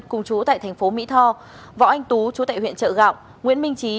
cùng chú tại thành phố mỹ tho võ anh tú chú tại huyện trợ gạo nguyễn minh trí